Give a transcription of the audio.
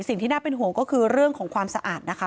สิ่งที่น่าเป็นห่วงก็คือเรื่องของความสะอาดนะคะ